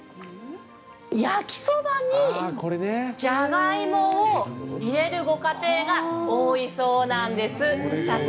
焼きそばにジャガイモを入れるご家庭が多いそうなんです。